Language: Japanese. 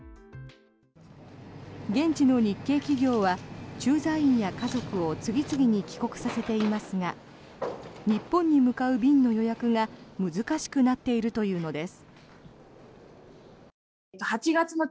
現地の日系企業は駐在員や家族を次々に帰国させていますが日本に向かう便の予約が難しくなっているというのです。